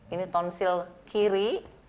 ini tonsil kiri